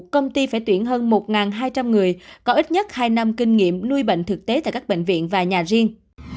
công ty phải tuyển hơn một hai trăm linh người có ít nhất hai năm kinh nghiệm nuôi bệnh thực tế tại các bệnh viện và nhà riêng